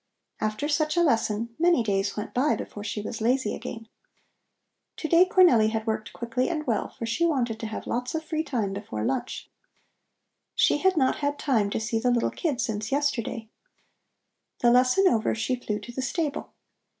After such a lesson many days went by before she was lazy again. To day Cornelli had worked quickly and well, for she wanted to have lots of free time before lunch. She had not had time to see the little kid since yesterday. The lesson over, she flew to the stable.